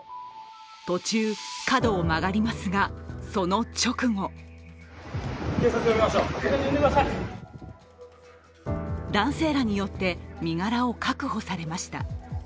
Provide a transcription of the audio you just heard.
途中、角を曲がりますが、その直後男性らによって、身柄を確保されました。